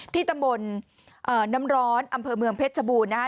ที่ตำบลน้ำร้อนอำเภอเมืองเพชรชบูรณนะฮะ